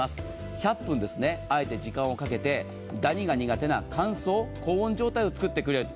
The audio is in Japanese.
１００分、あえて時間をかけてダニが苦手な乾燥・高温状態をつくってくれる。